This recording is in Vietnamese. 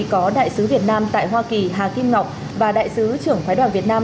có đại sứ việt nam tại hoa kỳ hà kim ngọc và đại sứ trưởng phái đoàn việt nam